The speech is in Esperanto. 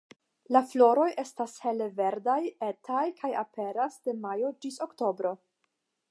La floroj estas hele verdaj, etaj, kaj aperas de majo ĝis oktobro.